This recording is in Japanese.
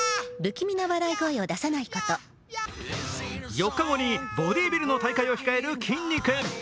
４日後にボディビルの大会を控えるきんに君。